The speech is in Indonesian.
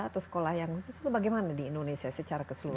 atau sekolah yang khusus atau bagaimana di indonesia secara keseluruhan